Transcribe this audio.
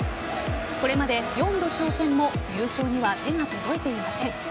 これまで４度挑戦も優勝には手が届いていません。